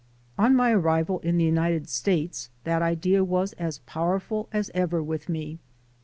On my arrival in the United States, that idea was as powerful as ever with me.